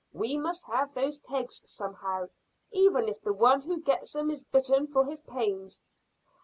We must have those kegs somehow, even if the one who gets 'em is bitten for his pains."